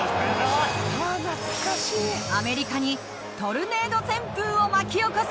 アメリカにトルネード旋風を巻き起こす！